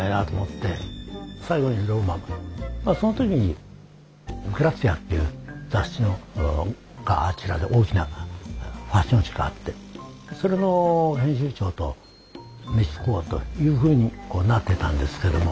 その時に「グラッツィア」という雑誌があちらで大きなファッション誌があってそれの編集長と飯食おうというふうになってたんですけども。